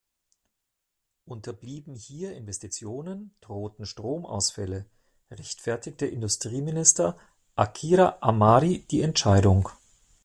Unterblieben hier Investitionen, drohten Stromausfälle, rechtfertigte Industrieminister Akira Amari die Entscheidung.